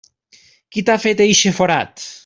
Qui t'ha fet eixe forat?